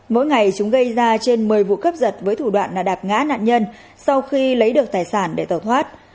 mỗi ngày chúng gây ra trên một mươi vụ cướp giật với thủ đoạn là đạp ngã nạn nhân sau khi lấy được tài sản để tàu thoát